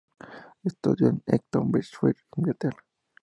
Estudió en Eton, Berkshire, Inglaterra.